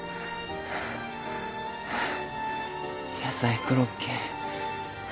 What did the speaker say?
野菜コロッケ。